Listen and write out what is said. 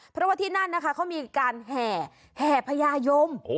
เพราะว่าที่นั่นนะคะเขามีการแห่แห่พญายม